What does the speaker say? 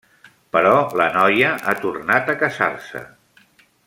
Però la noia ha tornat a casar-se.